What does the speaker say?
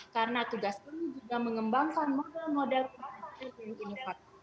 karena tugas kami juga mengembangkan model model pembelajaran bipa